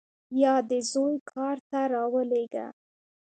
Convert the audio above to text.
یا دې زوی کار ته راولېږه.